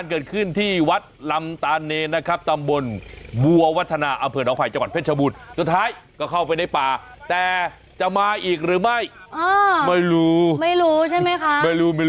แล้วไม่มีตัวเลขอะไรให้ดูเลยหรอก